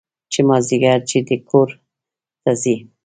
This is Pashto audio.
چې مازديګر چې دى کور ته ځي.